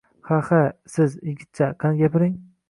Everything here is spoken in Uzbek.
Ha, ha, siz, yigitcha, qani, gapiring!